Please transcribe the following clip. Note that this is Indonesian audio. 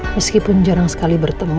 meskipun jarang sekali bertemu